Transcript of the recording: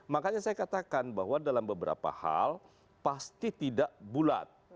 makanya saya katakan bahwa dalam beberapa hal pasti tidak bulat